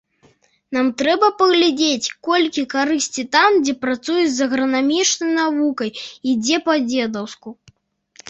Нам трэба паглядзець, колькі карысці там, дзе працуюць з агранамічнай навукай і дзе па-дзедаўску.